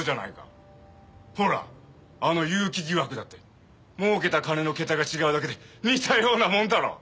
ほらあの結城疑惑だって儲けた金の桁が違うだけで似たようなもんだろ。